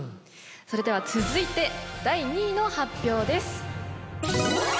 それでは続いて第２位の発表です。